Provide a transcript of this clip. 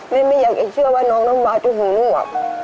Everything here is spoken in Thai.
แม่ไม่อยากให้เชื่อว่าน้องน้ำว้าจะห่วงหนูอ่ะ